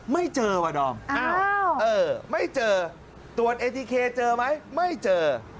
ไม่เจอว่ะดอมไม่เจอตรวจเอทีเคเจอไหมไม่เจอ